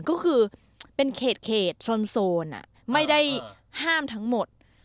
ก็คือเป็นเขตโซนไม่ได้ห้ามทั้งหมด